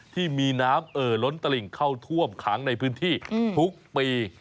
ที่มีน้ำเอ่อล้นตลิ่งเข้าท่วมขังในพื้นที่ทุกปี